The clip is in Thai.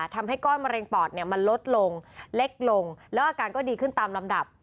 ทำให้ก้อนมะเร็งปอดเนี่ยมันลดลงเล็กลงแล้วอาการก็ดีขึ้นตามลำดับ